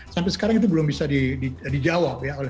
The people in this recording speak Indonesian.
sampai sekarang itu belum bisa dijawab ya